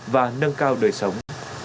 và nâng cao đời sống